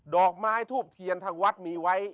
ดอกไม้ทูบเทียนทางวัดมีไว้